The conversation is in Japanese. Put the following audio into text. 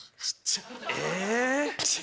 え！